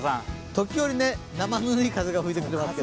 時折、生ぬるい風が吹いてきますけども。